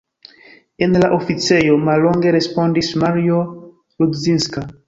En la oficejo, mallonge respondis Mario Rudzinska.